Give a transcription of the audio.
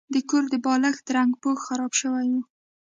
د کور د بالښت رنګه پوښ خراب شوی و.